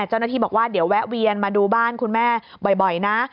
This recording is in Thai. เจ้าหน้าที่บอกว่าเดี๋ยวแวะเวียนมาดูบ้านคุณแม่บ่อยนะ